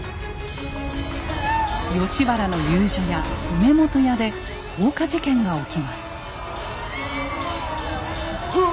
吉原の遊女屋「梅本屋」で放火事件が起きます。